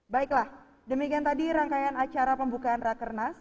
baiklah demikian tadi rangkaian acara pembukaan rakernas